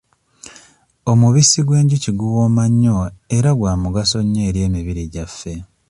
Omubisi gw'enjuki guwooma nnyo era gwa mugaso nnyo eri emibiri gyaffe.